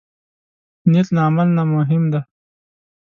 نیت له عمل نه مهم دی.